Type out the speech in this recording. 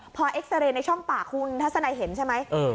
พอเอ็กซ์เตอร์เรย์ในช่องปากคุณทัศน์ไหนเห็นใช่ไหมเออ